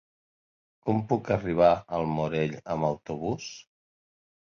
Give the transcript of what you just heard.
Com puc arribar al Morell amb autobús?